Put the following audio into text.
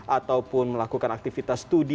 ataupun melakukan aktivitas studi